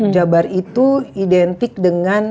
jabar itu identik dengan